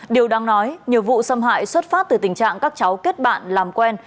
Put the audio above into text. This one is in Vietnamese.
điều đang nói nhiều vụ xâm hại xuất phát từ tình trạng các cháu kết bạn làm quen